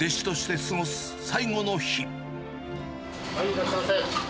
はい、いらっしゃいませ。